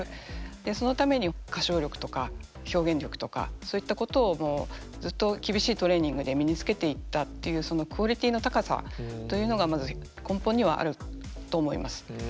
そのためには歌唱力とか表現力とかそういったことをずっと厳しいトレーニングで身に付けていったっていうそのクオリティーの高さというのがまず根本にはあると思います。